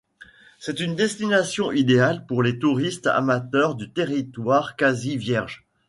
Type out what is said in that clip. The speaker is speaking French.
C'est une destination idéale pour des touristes amateurs de territoires quasi vierges.